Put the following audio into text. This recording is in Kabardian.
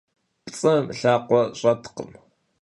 Pts'ım lhakhue ş'etkhım.